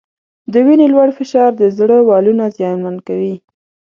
د وینې لوړ فشار د زړه والونه زیانمن کوي.